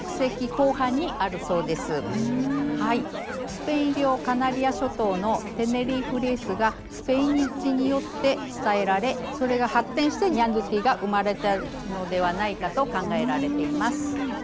スペイン領カナリア諸島の「テネリーフレース」がスペイン人によって伝えられそれが発展してニャンドゥティが生まれたのではないかと考えられています。